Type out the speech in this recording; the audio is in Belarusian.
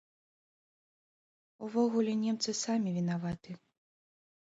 Увогуле, немцы самі вінаваты.